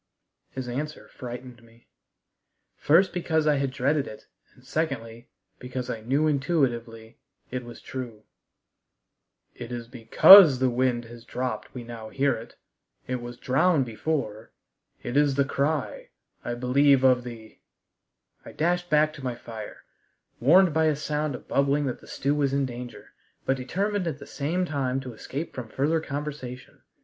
His answer frightened me, first because I had dreaded it, and secondly, because I knew intuitively it was true. "It is because the wind has dropped we now hear it. It was drowned before. It is the cry, I believe of the " I dashed back to my fire, warned by a sound of bubbling that the stew was in danger, but determined at the same time to escape from further conversation.